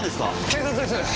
警察です！